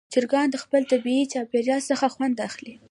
چرګان د خپل طبیعي چاپېریال څخه خوند اخلي.